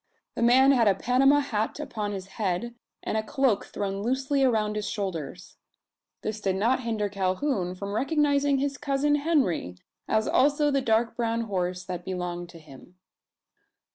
The man had a Panama hat upon his head, and a cloak thrown loosely around his shoulders. This did not hinder Calhoun from recognising his cousin Henry, as also the dark brown horse that belonged to him.